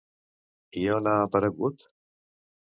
I on ha aparegut?